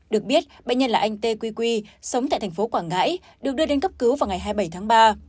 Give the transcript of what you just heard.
được biết bệnh nhân là anh t quy quy sống tại thành phố quảng ngãi được đưa đến cấp cứu vào ngày hai mươi bảy tháng ba